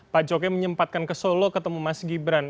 pak jokowi menyempatkan ke solo ketemu mas gibran